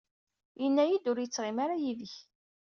Yenna-yi ur yettɣmi ara yid-k.